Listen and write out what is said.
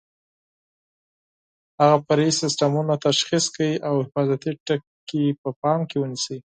هغه فرعي سیسټمونه تشخیص کړئ او حفاظتي ټکي په پام کې ونیسئ.